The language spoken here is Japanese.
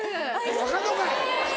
分かるのかい！